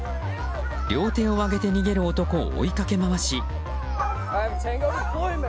両手を上げて逃げる男を追い掛け回し。